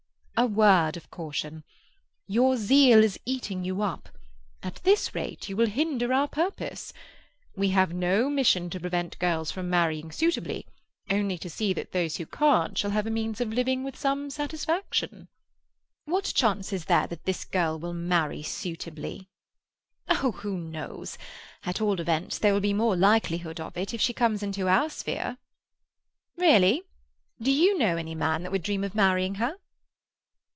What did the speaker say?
"A word of caution. Your zeal is eating you up. At this rate, you will hinder our purpose. We have no mission to prevent girls from marrying suitably—only to see that those who can't shall have a means of living with some satisfaction." "What chance is there that this girl will marry suitably?" "Oh, who knows? At all events, there will be more likelihood of it if she comes into our sphere." "Really? Do you know any man that would dream of marrying her?"